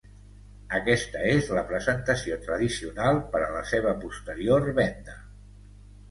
Aquesta és la presentació tradicional per a la seva posterior venda.